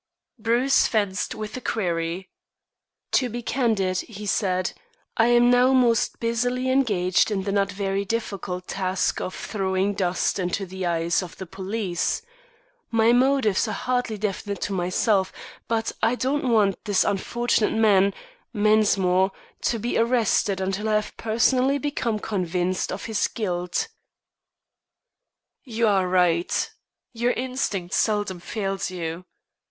Bruce fenced with the query. "To be candid," he said, "I am now most busily engaged in the not very difficult task of throwing dust in the eyes of the police. My motives are hardly definite to myself, but I do not want this unfortunate man, Mensmore, to be arrested until I have personally become convinced of his guilt." "You are right. Your instinct seldom fails you.